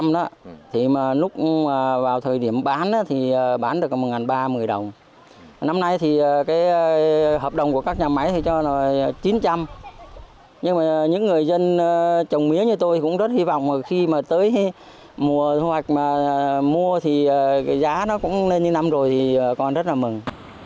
khi mà tới mùa thu hoạch mà mua thì giá nó cũng lên như năm rồi thì con rất là mừng